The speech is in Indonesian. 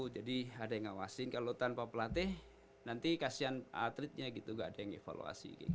jadi ada yang ngawasin kalau tanpa pelatih nanti kasihan atletnya gitu gak ada yang evaluasi gitu